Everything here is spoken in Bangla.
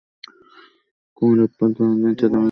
কুমারাপ্পার দৈনন্দিন চাঁদাবাজির টাকা গুরু সংগ্রহ করা শুরু করে।